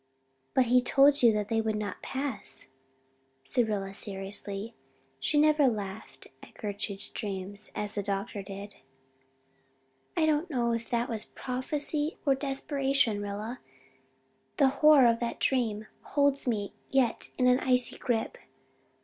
"But he told you that they would not pass," said Rilla, seriously. She never laughed at Gertrude's dreams as the doctor did. "I do not know if that was prophecy or desperation, Rilla, the horror of that dream holds me yet in an icy grip.